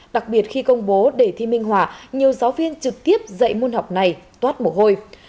đặc biệt khi công bố đề thi minh họa nhiều giáo viên trực tiếp dạy môn học này toát mồ hôi